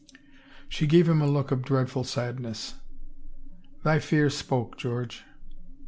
She gave him a look of dreadful sadness. " Thy fear spoke, George.